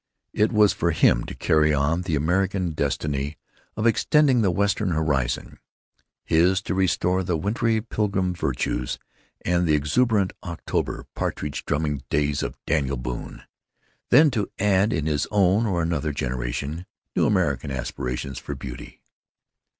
It was for him to carry on the American destiny of extending the Western horizon; his to restore the wintry Pilgrim virtues and the exuberant, October, partridge drumming days of Daniel Boone; then to add, in his own or another generation, new American aspirations for beauty.